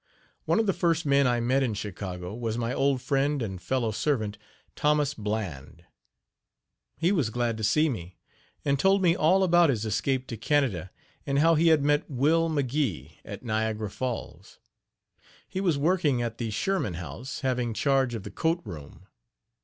One of the first men I met in Chicago was my old friend and fellow servant Thomas Bland. He was glad to see me, and told me all about his escape to Canada, and how he had met Will McGee, at Niagara Falls. He was working at the Sherman House, having charge of the coat room.